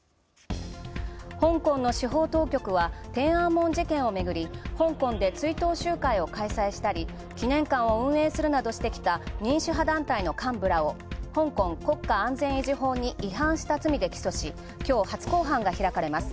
香港の司法当局は天安門事件をめぐり香港で追悼集会を開催したり記念館を運営するなどした民主派団体の幹部らを、香港国家維持安全法に違反した罪で起訴し、今日初公判が開かれます。